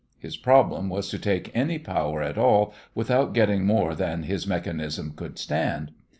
His problem was to take any power at all without getting more than his mechanism could stand.